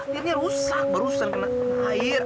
setirnya rusak berusan kena air